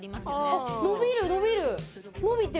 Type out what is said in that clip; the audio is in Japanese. あっ伸びる伸びる。